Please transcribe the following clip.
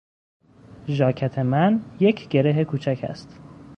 ژاکت من یک گره کوچک است.